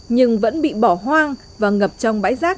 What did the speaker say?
nhưng vẫn bị bỏ hoang và ngập trong bãi rác